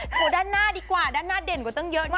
โชว์ด้านหน้าดีกว่าด้านหน้าเด่นกว่าตั้งเยอะมาก